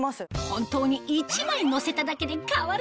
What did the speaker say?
本当に１枚のせただけで変わるのか？